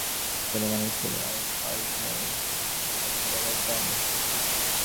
ছোটোবেলা হইতে আমরা যে এত করিয়া মানুষ করিলাম আর আজ মাসি বলিতেই একেবারে অজ্ঞান।